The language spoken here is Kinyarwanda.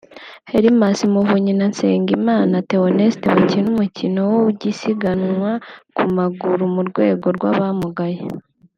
Herimas Muvunyi na Nsengimana Theoneste bakina umukino wo gisiganwa ku maguru mu rwego rw’abamugaye